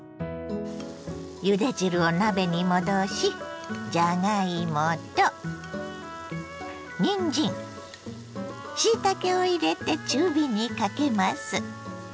ゆで汁を鍋に戻しじゃがいもとにんじんしいたけを入れて中火にかけます。